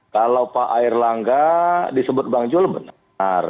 kalau pak erlangga disebut bang jul benar